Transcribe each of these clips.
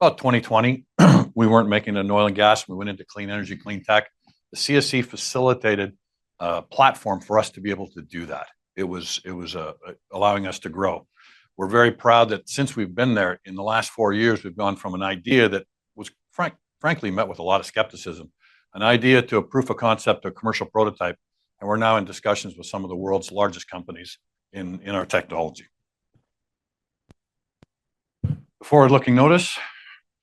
About 2020, we weren't making any oil and gas. We went into clean energy, clean tech. The CSC facilitated a platform for us to be able to do that. It was allowing us to grow. We're very proud that since we've been there, in the last four years, we've gone from an idea that was, frankly, met with a lot of skepticism, an idea to a proof of concept, a commercial prototype, and we're now in discussions with some of the world's largest companies in our technology. Forward-looking notice.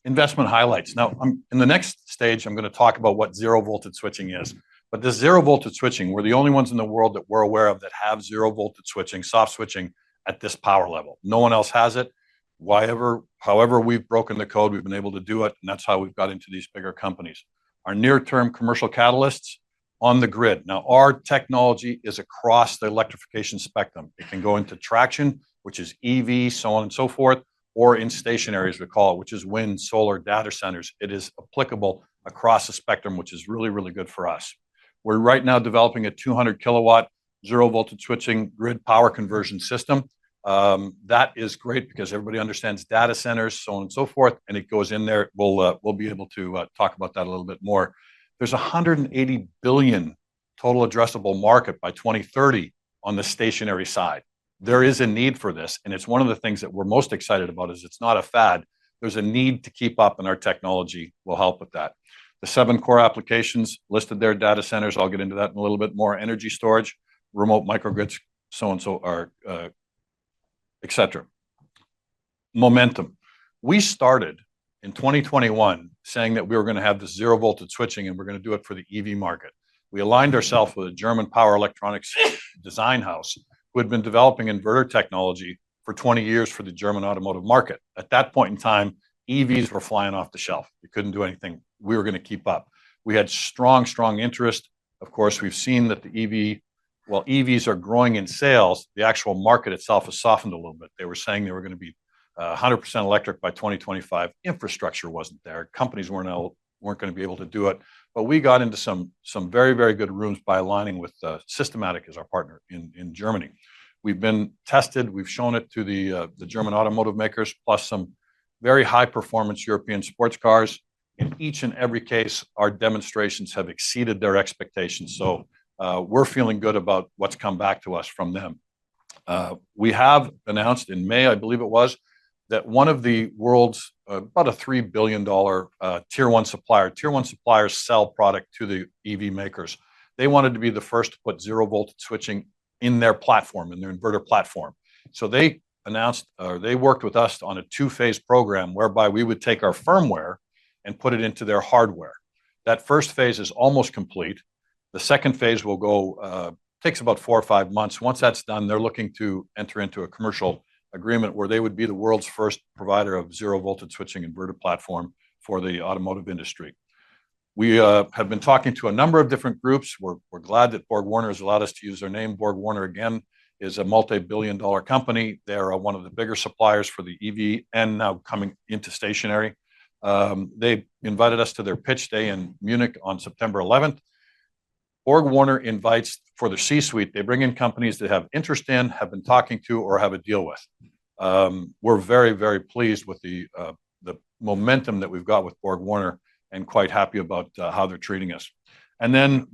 Investment highlights. Now, in the next stage, I'm going to talk about what zero-voltage switching is, but the zero-voltage switching, we're the only ones in the world that we're aware of that have zero-voltage switching, soft switching at this power level. No one else has it. However, we've broken the code, we've been able to do it, and that's how we've got into these bigger companies. Our near-term commercial catalysts on the grid. Now, our technology is across the electrification spectrum. It can go into traction, which is EV, so on and so forth, or in stationary, as we call it, which is wind, solar, data centers. It is applicable across the spectrum, which is really, really good for us. We're right now developing a 200 kW zero-voltage switching grid power conversion system. That is great because everybody understands data centers, so on and so forth, and it goes in there. We'll be able to talk about that a little bit more. There's 180 billion total addressable market by 2030 on the stationary side. There is a need for this, and it's one of the things that we're most excited about. It's not a fad. There's a need to keep up, and our technology will help with that. The seven core applications listed their data centers. I'll get into that in a little bit more. Energy storage, remote microgrids, so on and so forth, et cetera. Momentum. We started in 2021 saying that we were going to have this zero-voltage switching, and we're going to do it for the EV market. We aligned ourselves with a German power electronics design house who had been developing inverter technology for 20 years for the German automotive market. At that point in time, EVs were flying off the shelf. We couldn't do anything. We were going to keep up. We had strong, strong interest. Of course, we've seen that the EV, while EVs are growing in sales, the actual market itself has softened a little bit. They were saying they were going to be 100% electric by 2025. Infrastructure wasn't there. Companies weren't going to be able to do it. But we got into some very, very good rooms by aligning with Systematec as our partner in Germany. We've been tested. We've shown it to the German automotive makers, plus some very high-performance European sports cars. In each and every case, our demonstrations have exceeded their expectations. So we're feeling good about what's come back to us from them. We have announced in May, I believe it was, that one of the world's about a $3 billion tier one suppliers sells product to the EV makers. They wanted to be the first to put zero-voltage switching in their platform, in their inverter platform. So they announced or they worked with us on a two-phase program whereby we would take our firmware and put it into their hardware. That first phase is almost complete. The second phase will go, takes about four or five months. Once that's done, they're looking to enter into a commercial agreement where they would be the world's first provider of zero-voltage switching inverter platform for the automotive industry. We have been talking to a number of different groups. We're glad that BorgWarner has allowed us to use their name. BorgWarner, again, is a multi-billion dollar company. They are one of the bigger suppliers for the EV and now coming into stationary. They invited us to their pitch day in Munich on September 11th. BorgWarner invites for their C-suite. They bring in companies they have interest in, have been talking to, or have a deal with. We're very, very pleased with the momentum that we've got with BorgWarner and quite happy about how they're treating us.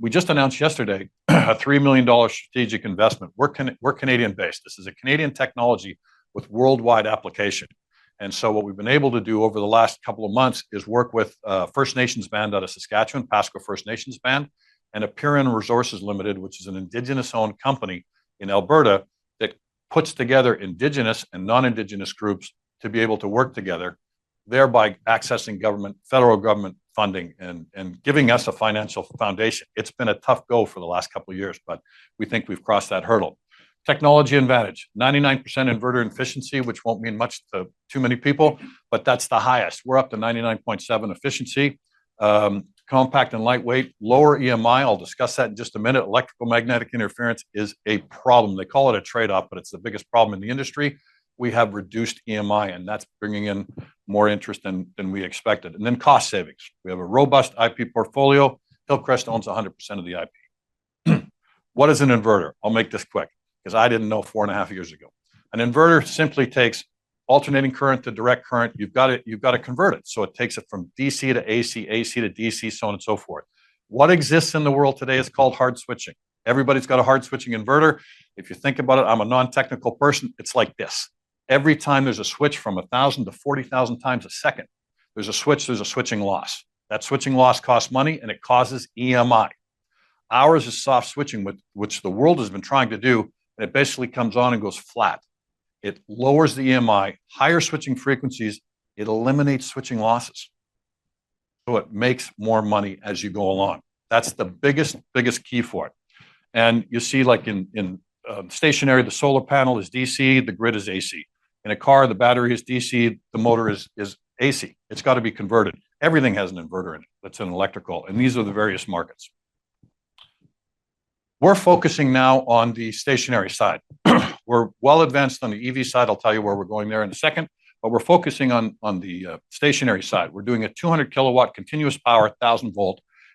We just announced yesterday a 3 million dollar strategic investment. We're Canadian-based. This is a Canadian technology with worldwide application. What we've been able to do over the last couple of months is work with First Nations Band out of Saskatchewan, Pasqua First Nations Band, and Apeiron Resources Limited, which is an Indigenous-owned company in Alberta that puts together Indigenous and non-Indigenous groups to be able to work together, thereby accessing federal government funding and giving us a financial foundation. It's been a tough go for the last couple of years, but we think we've crossed that hurdle. Technology advantage, 99% inverter efficiency, which won't mean much to too many people, but that's the highest. We're up to 99.7% efficiency. Compact and lightweight, lower EMI. I'll discuss that in just a minute. Electromagnetic interference is a problem. They call it a trade-off, but it's the biggest problem in the industry. We have reduced EMI, and that's bringing in more interest than we expected. And then cost savings. We have a robust IP portfolio. Hillcrest owns 100% of the IP. What is an inverter? I'll make this quick because I didn't know four and a half years ago. An inverter simply takes alternating current to direct current. You've got to convert it. So it takes it from DC to AC, AC to DC, so on and so forth. What exists in the world today is called hard switching. Everybody's got a hard switching inverter. If you think about it, I'm a non-technical person. It's like this. Every time there's a switch from 1,000-40,000 times a second, there's a switch, there's a switching loss. That switching loss costs money, and it causes EMI. Ours is soft switching, which the world has been trying to do, and it basically comes on and goes flat. It lowers the EMI, higher switching frequencies, it eliminates switching losses. So it makes more money as you go along. That's the biggest, biggest key for it, and you see like in stationary, the solar panel is DC, the grid is AC. In a car, the battery is DC, the motor is AC. It's got to be converted. Everything has an inverter in it that's an electrical, and these are the various markets. We're focusing now on the stationary side. We're well advanced on the EV side. I'll tell you where we're going there in a second, but we're focusing on the stationary side. We're doing a 200 kW continuous power, 1,000 V,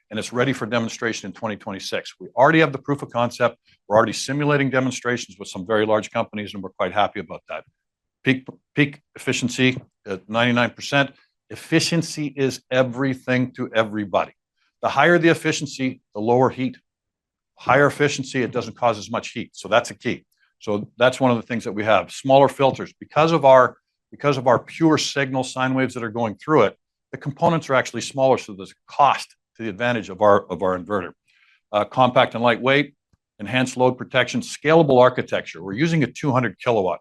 and it's ready for demonstration in 2026. We already have the proof of concept. We're already simulating demonstrations with some very large companies, and we're quite happy about that. Peak efficiency at 99%. Efficiency is everything to everybody. The higher the efficiency, the lower heat. Higher efficiency, it doesn't cause as much heat. So that's a key. So that's one of the things that we have. Smaller filters. Because of our pure signal sine waves that are going through it, the components are actually smaller, so there's cost to the advantage of our inverter. Compact and lightweight, enhanced load protection, scalable architecture. We're using a 200 kW.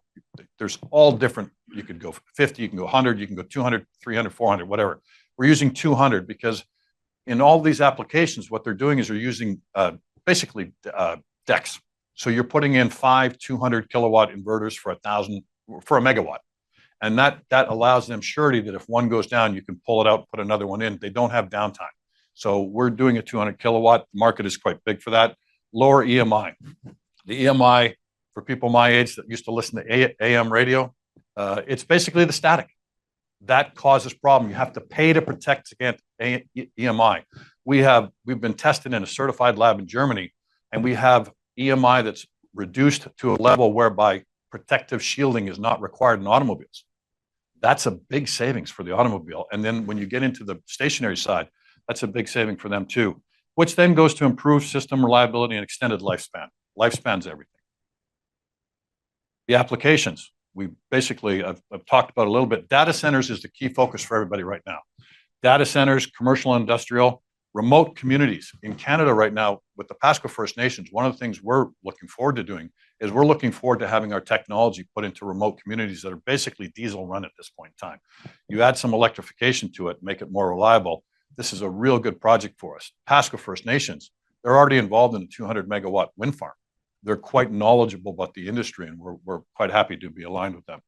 There's all different. You could go 50 kW, you can go 100 kW, you can go 200 kW, 300 kW, 400 kW, whatever. We're using 200 kW because in all these applications, what they're doing is they're using basically decks. So you're putting in five 200 kW inverters for a thousand for a megawatt. That allows them surety that if one goes down, you can pull it out, put another one in. They don't have downtime. We're doing a 200 kW. The market is quite big for that. Lower EMI. The EMI for people my age that used to listen to AM radio, it's basically the static. That causes problems. You have to pay to protect against EMI. We've been tested in a certified lab in Germany, and we have EMI that's reduced to a level whereby protective shielding is not required in automobiles. That's a big savings for the automobile. Then when you get into the stationary side, that's a big saving for them too, which then goes to improve system reliability and extended lifespan. Lifespan is everything. The applications. We basically have talked about a little bit. Data centers is the key focus for everybody right now. Data centers, commercial and industrial, remote communities. In Canada right now, with the Pasqua First Nation, one of the things we're looking forward to doing is having our technology put into remote communities that are basically diesel run at this point in time. You add some electrification to it, make it more reliable. This is a real good project for us. Pasqua First Nation, they're already involved in a 200 MW wind farm. They're quite knowledgeable about the industry, and we're quite happy to be aligned with them.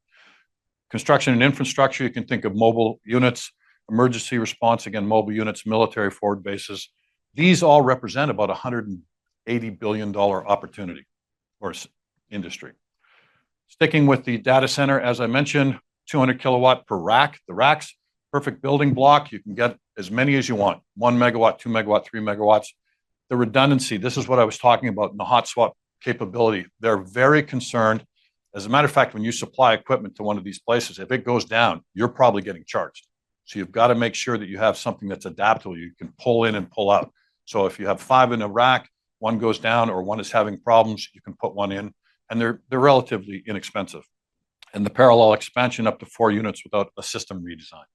Construction and infrastructure, you can think of mobile units, emergency response, again, mobile units, military forward bases. These all represent about a $180 billion opportunity or industry. Sticking with the data center, as I mentioned, 200 kW per rack. The racks, perfect building block. You can get as many as you want. 1 MW, 2 MW, 3 MW. The redundancy, this is what I was talking about in the hot swap capability. They're very concerned. As a matter of fact, when you supply equipment to one of these places, if it goes down, you're probably getting charged. So you've got to make sure that you have something that's adaptable. You can pull in and pull out. So if you have five in a rack, one goes down or one is having problems, you can put one in, and they're relatively inexpensive, and the parallel expansion up to four units without a system redesign.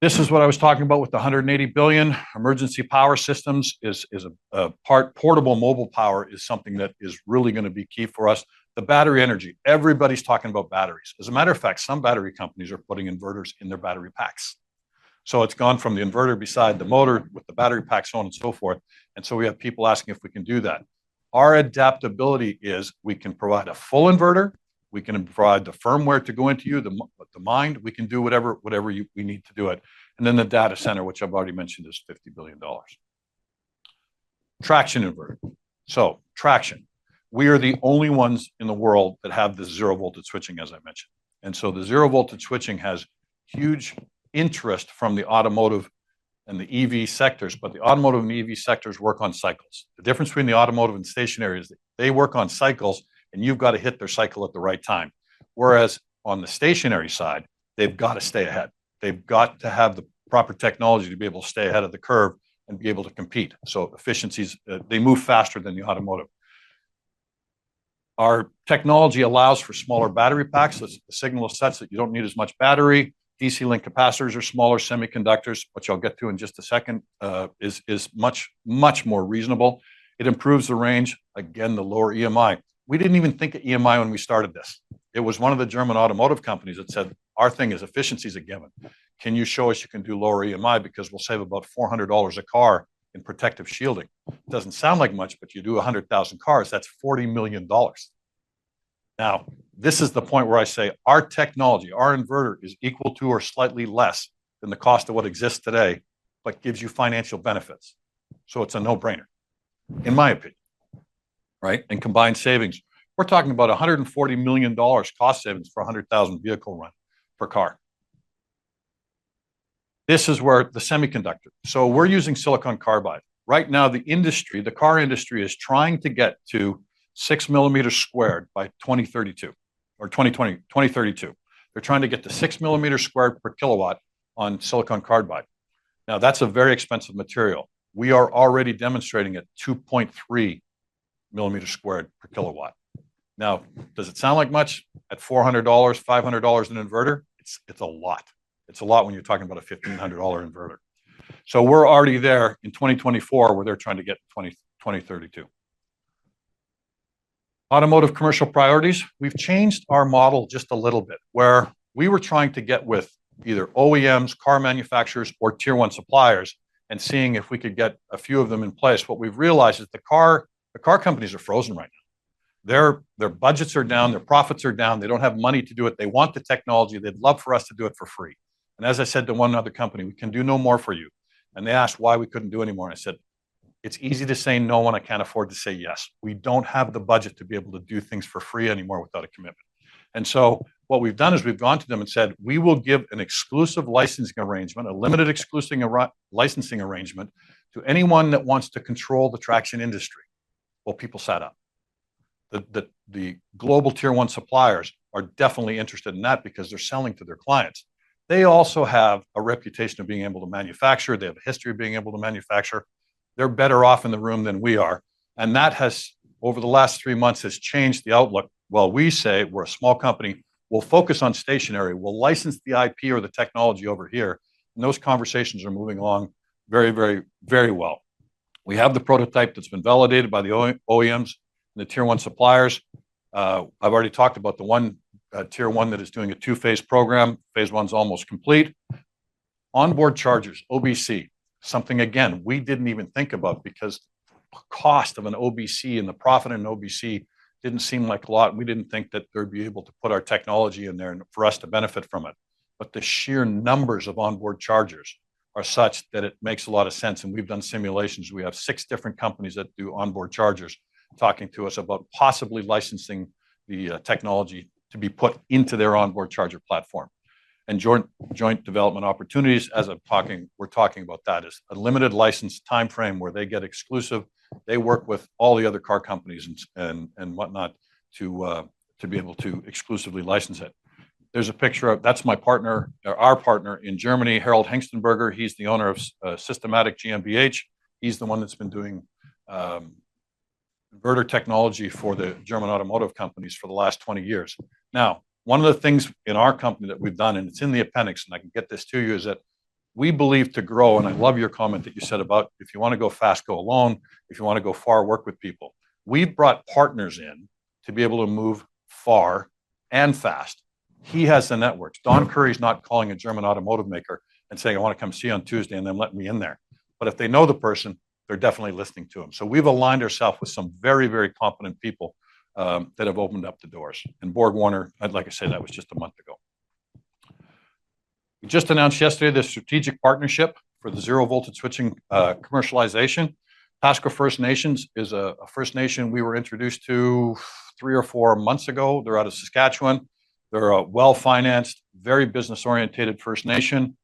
This is what I was talking about with the $180 billion. Emergency power systems is a part. Portable mobile power is something that is really going to be key for us. The battery energy. Everybody's talking about batteries. As a matter of fact, some battery companies are putting inverters in their battery packs. It's gone from the inverter beside the motor with the battery packs, so on and so forth. We have people asking if we can do that. Our adaptability is we can provide a full inverter. We can provide the firmware to go into you, the mind. We can do whatever we need to do it. Then the data center, which I've already mentioned, is $50 billion. Traction inverter. Traction. We are the only ones in the world that have the zero-voltage switching, as I mentioned. The zero-voltage switching has huge interest from the automotive and the EV sectors, but the automotive and EV sectors work on cycles. The difference between the automotive and stationary is they work on cycles, and you've got to hit their cycle at the right time. Whereas on the stationary side, they've got to stay ahead. They've got to have the proper technology to be able to stay ahead of the curve and be able to compete. So efficiencies, they move faster than the automotive. Our technology allows for smaller battery packs. The signal is that you don't need as much battery. DC-link capacitors are smaller. Semiconductors, which I'll get to in just a second, are much, much more reasonable. It improves the range. Again, the lower EMI. We didn't even think of EMI when we started this. It was one of the German automotive companies that said, "Our thing is efficiency is a given. Can you show us you can do lower EMI because we'll save about $400 a car in protective shielding?" It doesn't sound like much, but you do 100,000 cars. That's $40 million. Now, this is the point where I say our technology, our inverter is equal to or slightly less than the cost of what exists today, but gives you financial benefits. So it's a no-brainer, in my opinion, right? And combined savings. We're talking about $140 million cost savings for 100,000 vehicle run per car. This is where the semiconductor. So we're using silicon carbide. Right now, the industry, the car industry is trying to get to six millimeters squared by 2032 or 2032. They're trying to get to 6 mm sq per kilowatt on silicon carbide. Now, that's a very expensive material. We are already demonstrating at 2.3 mm sq per kilowatt. Now, does it sound like much? At $400-$500 an inverter, it's a lot. It's a lot when you're talking about a $1,500 inverter. So we're already there in 2024 where they're trying to get to 2032. Automotive commercial priorities. We've changed our model just a little bit where we were trying to get with either OEMs, car manufacturers, or tier one suppliers and seeing if we could get a few of them in place. What we've realized is the car companies are frozen right now. Their budgets are down. Their profits are down. They don't have money to do it. They want the technology. They'd love for us to do it for free. And as I said to one other company, "We can do no more for you." And they asked why we couldn't do any more. I said, "It's easy to say no. I can't afford to say yes. We don't have the budget to be able to do things for free anymore without a commitment," and so what we've done is we've gone to them and said, "We will give an exclusive licensing arrangement, a limited exclusive licensing arrangement to anyone that wants to control the traction industry." Well, people sat up. The global tier one suppliers are definitely interested in that because they're selling to their clients. They also have a reputation of being able to manufacture. They have a history of being able to manufacture. They're better off in the room than we are, and that has, over the last three months, changed the outlook. Well, we say we're a small company. We'll focus on stationary. We'll license the IP or the technology over here, and those conversations are moving along very, very, very well. We have the prototype that's been validated by the OEMs and the tier one suppliers. I've already talked about the one tier one that is doing a two-phase program. Phase one is almost complete. Onboard chargers, OBC, something, again, we didn't even think about because the cost of an OBC and the profit of an OBC didn't seem like a lot. We didn't think that they'd be able to put our technology in there for us to benefit from it. But the sheer numbers of onboard chargers are such that it makes a lot of sense. And we've done simulations. We have six different companies that do onboard chargers talking to us about possibly licensing the technology to be put into their onboard charger platform. And joint development opportunities, as I'm talking, we're talking about that is a limited license timeframe where they get exclusive. They work with all the other car companies and whatnot to be able to exclusively license it. There's a picture of that. That's my partner. Our partner in Germany, Harald Hengstenberger. He's the owner of Systematic GmbH. He's the one that's been doing inverter technology for the German automotive companies for the last 20 years. Now, one of the things in our company that we've done, and it's in the appendix, and I can get this to you, is that we believe to grow, and I love your comment that you said about if you want to go fast, go alone. If you want to go far, work with people. We've brought partners in to be able to move far and fast. He has the networks. Don Currie is not calling a German automotive maker and saying, "I want to come see you on Tuesday and then let me in there," but if they know the person, they're definitely listening to him, so we've aligned ourselves with some very, very competent people that have opened up the doors, and Borg Warner, like I said, that was just a month ago. We just announced yesterday the strategic partnership for the zero-voltage switching commercialization. Pasqua First Nation is a First Nation we were introduced to three or four months ago. They're out of Saskatchewan. They're a well-financed, very business-oriented First Nation,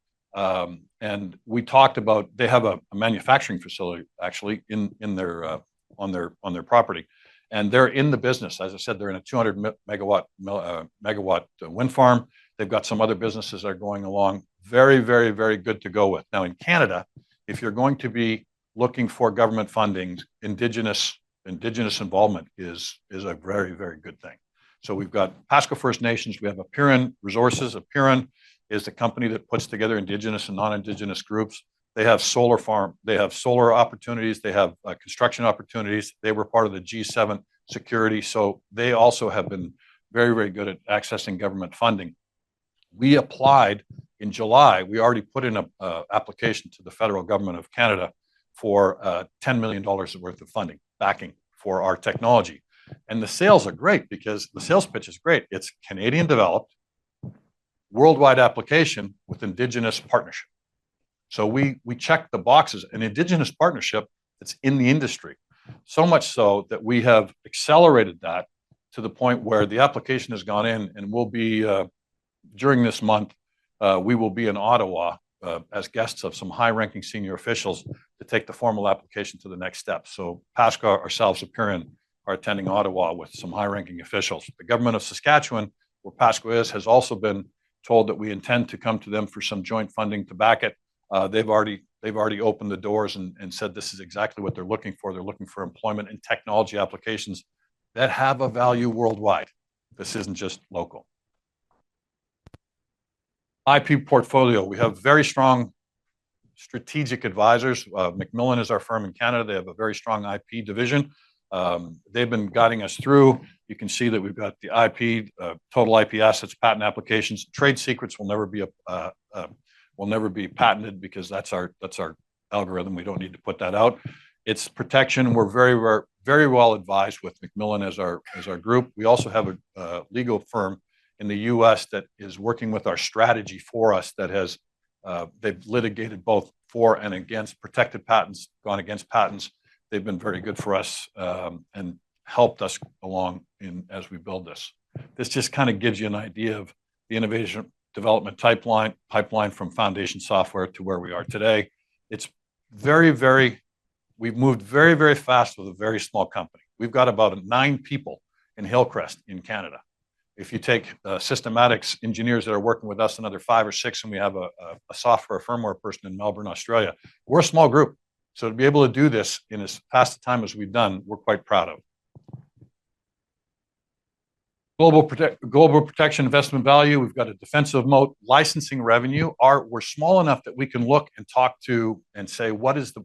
and we talked about they have a manufacturing facility, actually, on their property, and they're in the business. As I said, they're in a 200 MW wind farm. They've got some other businesses that are going along. Very, very, very good to go with. Now, in Canada, if you're going to be looking for government funding, indigenous involvement is a very, very good thing. So we've got Pasqua First Nation. We have Apeiron, Resources Apeiron is the company that puts together indigenous and non-indigenous groups. They have solar farms. They have solar opportunities. They have construction opportunities. They were part of the G7 security. So they also have been very, very good at accessing government funding. We applied in July. We already put in an application to the federal government of Canada for 10 million dollars worth of funding backing for our technology. And the sales are great because the sales pitch is great. It's Canadian-developed, worldwide application with indigenous partnership. So we checked the boxes. An indigenous partnership that's in the industry. So much so that we have accelerated that to the point where the application has gone in. During this month, we will be in Ottawa as guests of some high-ranking senior officials to take the formal application to the next step. Pasqua, ourselves, Apeiron are attending Ottawa with some high-ranking officials. The government of Saskatchewan, where Pasqua is, has also been told that we intend to come to them for some joint funding to back it. They've already opened the doors and said this is exactly what they're looking for. They're looking for employment and technology applications that have a value worldwide. This isn't just local. IP portfolio. We have very strong strategic advisors. McMillan is our firm in Canada. They have a very strong IP division. They've been guiding us through. You can see that we've got the IP, total IP assets, patent applications. Trade secrets will never be patented because that's our algorithm. We don't need to put that out. It's protection. We're very well advised with McMillan as our group. We also have a legal firm in the U.S. that is working with our strategy for us that has litigated both for and against protected patents, gone against patents. They've been very good for us and helped us along as we build this. This just kind of gives you an idea of the innovation development pipeline from foundation software to where we are today. We've moved very, very fast with a very small company. We've got about nine people in Hillcrest in Canada. If you take systems engineers that are working with us, another five or six, and we have a software firmware person in Melbourne, Australia. We're a small group. So to be able to do this in as fast a time as we've done, we're quite proud of. Global protection investment value. We've got a defensive moat. Licensing revenue. We're small enough that we can look and talk to and say, "What is the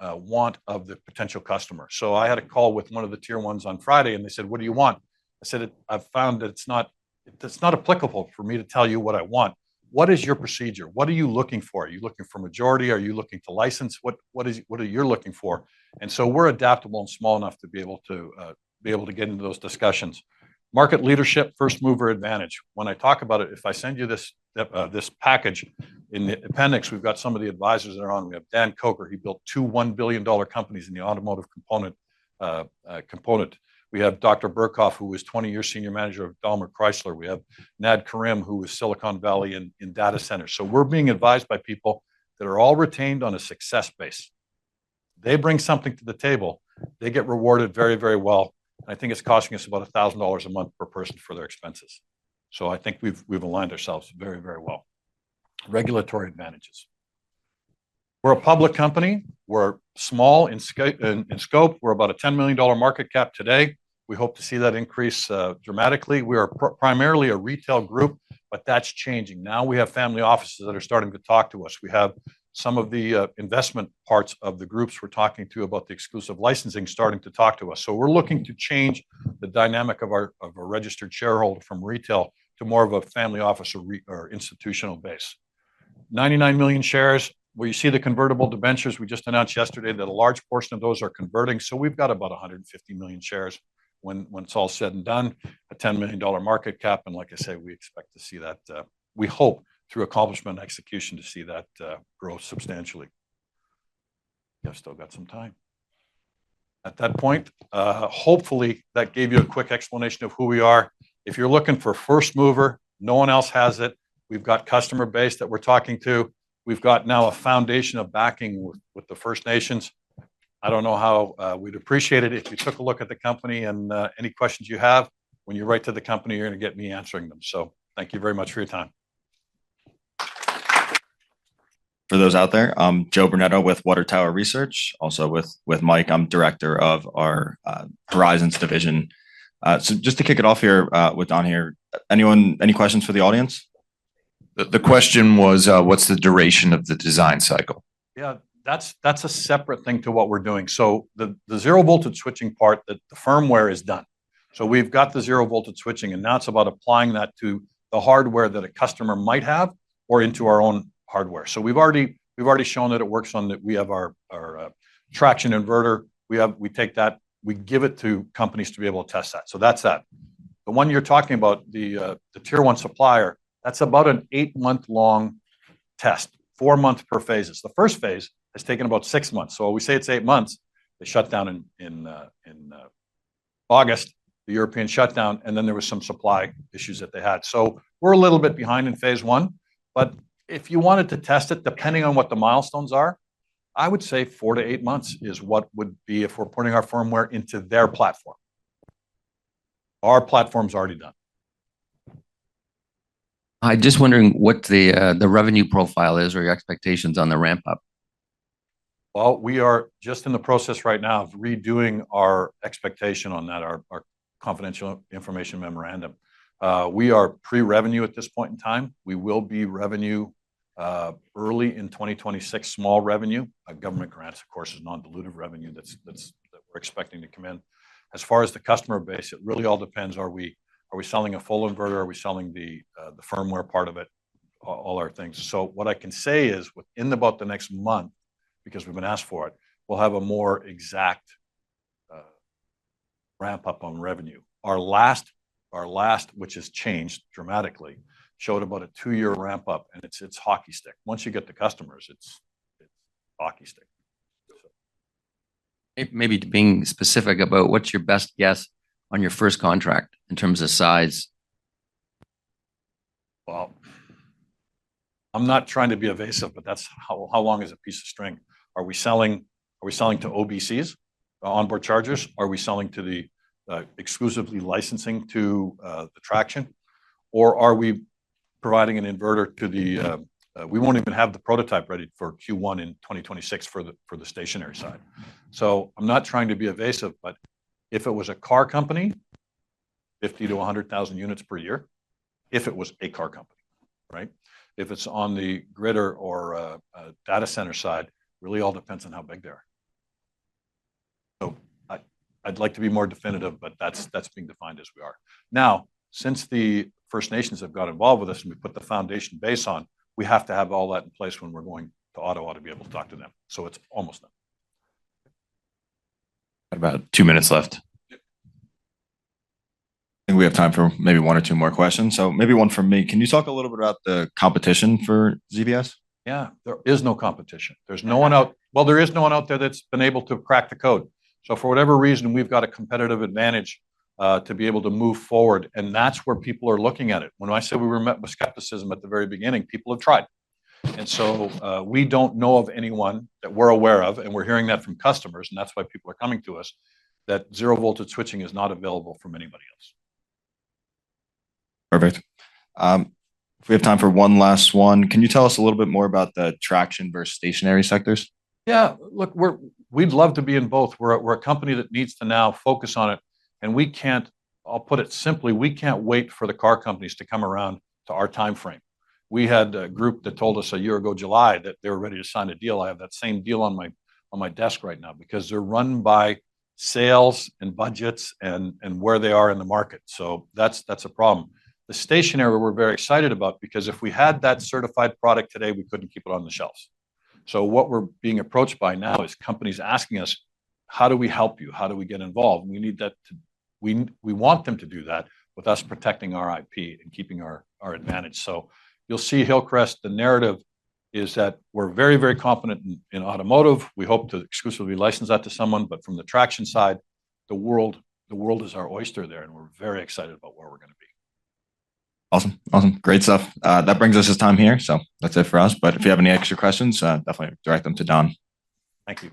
want of the potential customer?" So I had a call with one of the tier ones on Friday, and they said, "What do you want?" I said, "I've found that it's not applicable for me to tell you what I want. What is your procedure? What are you looking for? Are you looking for majority? Are you looking to license? What are you looking for?" And so we're adaptable and small enough to be able to get into those discussions. Market leadership, first mover advantage. When I talk about it, if I send you this package in the appendix, we've got some of the advisors that are on. We have Dan Coker. He built two $1 billion companies in the automotive component. We have Dr. Burghoff, who is 20 years senior manager of Daimler Chrysler. We have Nad Karim, who is Silicon Valley in data centers, so we're being advised by people that are all retained on a success basis. They bring something to the table. They get rewarded very, very well, and I think it's costing us about $1,000 a month per person for their expenses, so I think we've aligned ourselves very, very well. Regulatory advantages. We're a public company. We're small in scope. We're about a $10 million market cap today. We hope to see that increase dramatically. We are primarily a retail group, but that's changing. Now we have family offices that are starting to talk to us. We have some of the investment parts of the groups we're talking to about the exclusive licensing starting to talk to us. So we're looking to change the dynamic of our registered shareholder from retail to more of a family office or institutional base. 99 million shares. We see the convertible debentures. We just announced yesterday that a large portion of those are converting. So we've got about 150 million shares when it's all said and done, a $10 million market cap. And like I say, we expect to see that, we hope through accomplishment and execution to see that grow substantially. We have still got some time. At that point, hopefully that gave you a quick explanation of who we are. If you're looking for first mover, no one else has it. We've got customer base that we're talking to. We've got now a foundation of backing with the First Nations. I don't know how we'd appreciate it if you took a look at the company and any questions you have. When you write to the company, you're going to get me answering them. So thank you very much for your time. For those out there, Joe Bernetto with Water Tower Research. Also with Mike, I'm director of our Horizons division. So just to kick it off here with Don here, any questions for the audience? The question was, what's the duration of the design cycle? Yeah, that's a separate thing to what we're doing. So the zero-voltage switching part that the firmware is done. So we've got the zero-voltage switching, and now it's about applying that to the hardware that a customer might have or into our own hardware. So we've already shown that it works on that we have our traction inverter. We take that. We give it to companies to be able to test that. So that's that. The one you're talking about, the tier one supplier, that's about an eight-month-long test, four months per phases. The first phase has taken about six months. So we say it's eight months. They shut down in August, the European shutdown, and then there were some supply issues that they had. So we're a little bit behind in phase one. But if you wanted to test it, depending on what the milestones are, I would say four to eight months is what would be if we're putting our firmware into their platform. Our platform's already done. I'm just wondering what the revenue profile is or your expectations on the ramp-up. Well, we are just in the process right now of redoing our expectation on that, our confidential information memorandum. We are pre-revenue at this point in time. We will be revenue early in 2026, small revenue. Government grants, of course, is non-dilutive revenue that we're expecting to come in. As far as the customer base, it really all depends. Are we selling a full inverter? Are we selling the firmware part of it, all our things? So what I can say is within about the next month, because we've been asked for it, we'll have a more exact ramp-up on revenue. Our last, which has changed dramatically, showed about a two-year ramp-up, and it's hockey stick. Once you get the customers, it's hockey stick. Maybe being specific about what's your best guess on your first contract in terms of size? Well, I'm not trying to be evasive, but that's how long is a piece of string. Are we selling to OBCs, the onboard chargers? Are we selling to the exclusively licensing to the traction? Or, are we providing an inverter to them? We won't even have the prototype ready for Q1 in 2026 for the stationary side. So, I'm not trying to be evasive, but if it was a car company, 50-100,000 units per year, if it was a car company, right? If it's on the grid or data center side, really all depends on how big they are. So, I'd like to be more definitive, but that's being defined as we are. Now, since the First Nations have got involved with us and we put the foundation base on, we have to have all that in place when we're going to Ottawa to be able to talk to them. So, it's almost done. Got about two minutes left. I think we have time for maybe one or two more questions. So, maybe one for me. Can you talk a little bit about the competition for ZBS? Yeah. There is no competition. There's no one out there that's been able to crack the code. So for whatever reason, we've got a competitive advantage to be able to move forward, and that's where people are looking at it. When I said we were met with skepticism at the very beginning, people have tried, and so we don't know of anyone that we're aware of, and we're hearing that from customers, and that's why people are coming to us, that zero-voltage switching is not available from anybody else. Perfect. If we have time for one last one, can you tell us a little bit more about the traction versus stationary sectors? Yeah. Look, we'd love to be in both. We're a company that needs to now focus on it. I'll put it simply. We can't wait for the car companies to come around to our time frame. We had a group that told us a year ago, July, that they were ready to sign a deal. I have that same deal on my desk right now because they're run by sales and budgets and where they are in the market. That's a problem. The stationary, we're very excited about because if we had that certified product today, we couldn't keep it on the shelves. What we're being approached by now is companies asking us, "How do we help you? How do we get involved?" We want them to do that with us protecting our IP and keeping our advantage. You'll see Hillcrest, the narrative is that we're very, very confident in automotive. We hope to exclusively license that to someone. But from the traction side, the world is our oyster there, and we're very excited about where we're going to be. Awesome. Awesome. Great stuff. That brings us to time here. So that's it for us. But if you have any extra questions, definitely direct them to Don. Thank you.